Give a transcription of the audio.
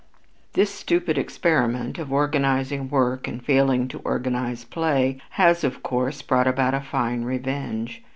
This stupid experiment of organizing work and failing to organize play has, of course, brought about a fine revenge.